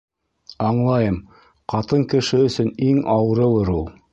-Аңлайым, ҡатын кеше өсөн иң ауырылыр ул.